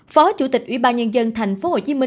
phó chủ tịch ubnd tp hcm